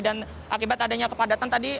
dan akibat adanya kepadatan tadi